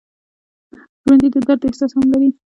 ژوندي د درد احساس هم لري